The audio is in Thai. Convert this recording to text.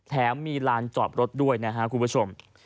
มีลานจอดรถด้วยนะครับคุณผู้ชม